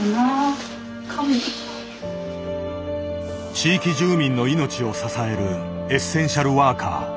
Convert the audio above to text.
地域住民の命を支えるエッセンシャルワーカー。